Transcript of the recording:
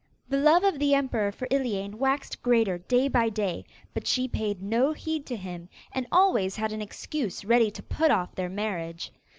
The love of the emperor for Iliane waxed greater day by day, but she paid no heed to him, and always had an excuse ready to put off their marriage.